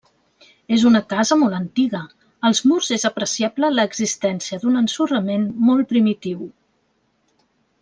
És una casa molt antiga, als murs és apreciable l'existència d'un ensorrament molt primitiu.